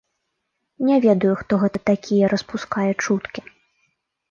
Не ведаю, хто гэта такія распускае чуткі.